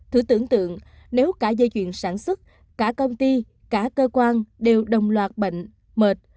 thử tưởng tượng nếu cả dây chuyền sản xuất cả công ty cả cơ quan đều đồng loạt bệnh mệt